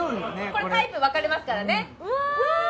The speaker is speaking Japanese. これタイプ分かれますからねうわ！